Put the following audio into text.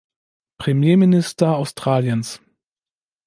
Premierminister Australiens.